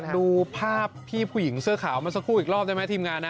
ดูภาพพี่ผู้หญิงเสื้อขาวเมื่อสักครู่อีกรอบได้ไหมทีมงานนะ